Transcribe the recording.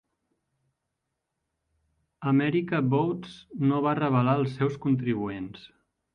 America Votes no va revelar els seus contribuents.